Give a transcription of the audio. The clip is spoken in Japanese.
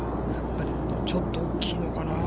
ちょっと大きいのかなぁ。